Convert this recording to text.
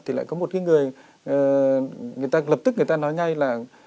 thì lại có một cái người ta lập tức người ta nói ngay là